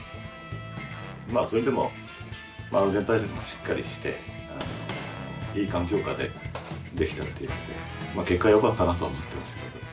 まぁそれでも安全対策もしっかりしていい環境下でできたっていうので結果よかったなとは思ってます。